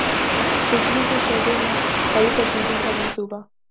بجلی کے شعبے میں بڑی تبدیلوں کا منصوبہ